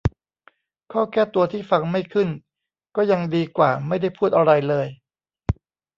ข้อแก้ตัวที่ฟังไม่ขึ้นก็ยังดีกว่าไม่ได้พูดอะไรเลย